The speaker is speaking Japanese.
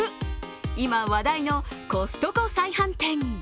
今、話題のコストコ再販店。